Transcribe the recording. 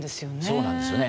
そうなんですよね。